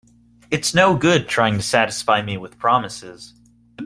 It's no good trying to satisfy me with promises.